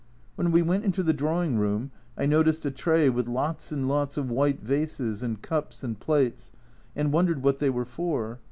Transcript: When we went into the drawing room I noticed a tray with lots and lots of white vases and cups and plates, and 262 A Journal from Japan wondered what they were for.